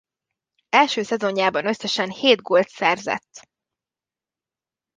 Első szezonjában összesen hét gólt szerzett.